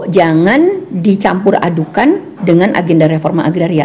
jangan dicampur adukan dengan agenda reforma agraria